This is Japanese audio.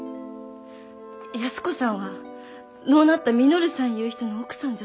安子さんは亡うなった稔さんいう人の奥さんじゃ